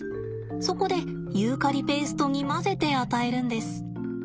そこでユーカリペーストに混ぜて与えるんです。